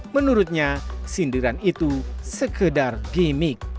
menurutnya sindiran itu sekedar gimmick